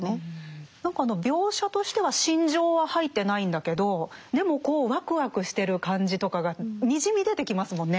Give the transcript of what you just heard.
何かあの描写としては心情は入ってないんだけどでもこうワクワクしてる感じとかがにじみ出てきますもんね。